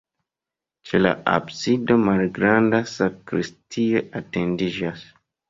Ĉe la absido malgranda sakristio etendiĝas.